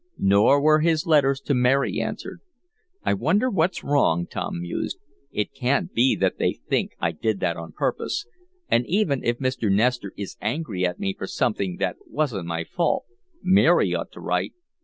Nor were his letters to Mary answered. "I wonder what's wrong?" Tom mused. "It can't be that they think I did that on purpose. And even if Mr. Nestor is angry at me for something that wasn't my fault, Mary ought to write."